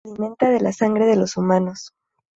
Se alimenta de la sangre de los humanos.